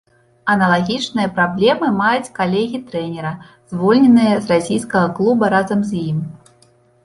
Аналагічныя праблемы маюць калегі трэнера, звольненыя з расійскага клуба разам з ім.